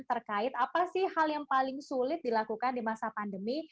terkait apa sih hal yang paling sulit dilakukan di masa pandemi